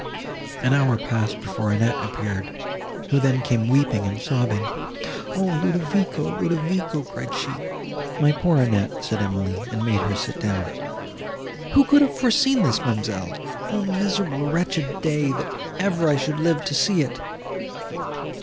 An hour passed before Annette appeared, who then came weeping and sobbing. "O Ludovico—Ludovico!" cried she. "My poor Annette!" said Emily, and made her sit down. "Who could have foreseen this, ma'amselle? O miserable, wretched, day—that ever I should live to see it!"